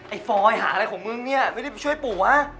ไอ้ฟอยหาอะไรของมึงเนี่ยไม่ได้ช่วยปู่วะ